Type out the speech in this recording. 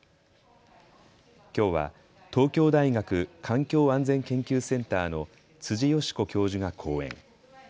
きょうは東京大学環境安全研究センターの辻佳子教授が講演。